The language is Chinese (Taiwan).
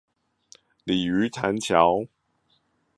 鯉魚潭橋